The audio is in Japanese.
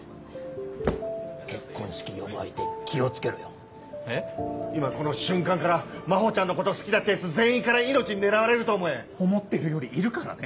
結婚式呼ぶ相手気を付けろよ真帆ちゃんのこと好きだったヤツ全員から命狙われると思え思ってるよりいるからね